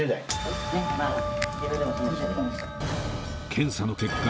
検査の結果